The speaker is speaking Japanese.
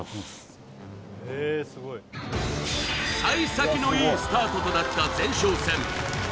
幸先のいいスタートとなった前哨戦